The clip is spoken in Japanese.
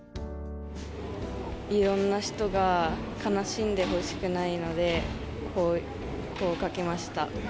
いろんな人が悲しんでほしくないので、こう書きました。